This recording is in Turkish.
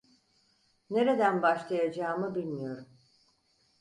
Nereden başlayacağımı bilmiyorum.